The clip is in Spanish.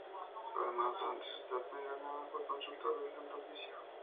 Además, durante su etapa en Granada fue consultor del Santo Oficio.